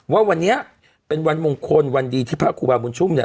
ว่าวันนี้เป็นวันมงคลวันดีที่พระครูบาบุญชุ่มเนี่ย